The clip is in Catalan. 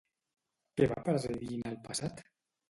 Què va presidir en el passat?